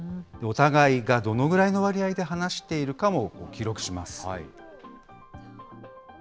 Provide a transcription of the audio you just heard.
お互いがどのぐらいの割合で話しているかも記録します。